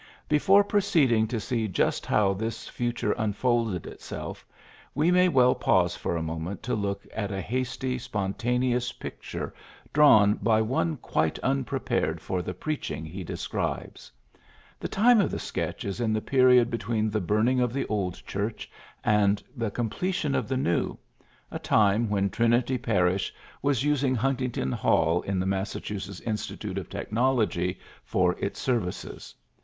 Before proceeding to see just how this future unfolded itself, we may well pause for a moment to look at a hasty, spontaneous picture drawn by one quite unprepared for the preaching he de scribes. The time of the sketch is in the period between the burning of the old church and the completion of the new, a time when Trinity parish was using Huntington Hall in the Massachu setts Institute of Technology for its ser vices.